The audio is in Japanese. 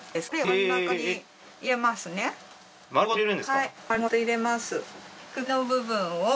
はい。